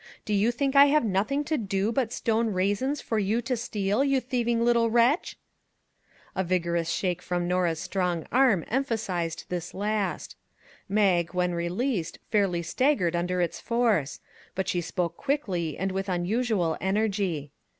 Do you think I have nothing to do but stone raisins for you to steal, you little thieving wretch !" A vigorous shake from Norah's strong arm 75 MAG AND MARGARET emphasized this last; Mag, when released, fairly staggered under its force; but she spoke quickly and with unusual energy.